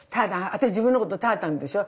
私自分のこと「たーたん」でしょう？